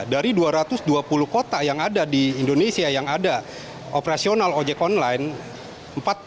dari dua ratus dua puluh kota yang ada di indonesia yang ada operasional ojek online